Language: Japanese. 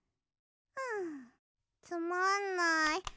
んつまんない。